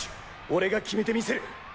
俺が決めてみせる。